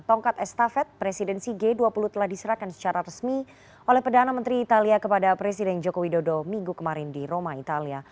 tongkat estafet presidensi g dua puluh telah diserahkan secara resmi oleh perdana menteri italia kepada presiden joko widodo minggu kemarin di roma italia